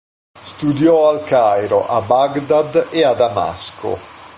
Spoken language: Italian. Studiò al Cairo, a Baghdad e a Damasco.